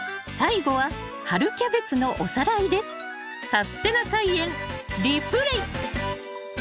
「さすてな菜園リプレイ」！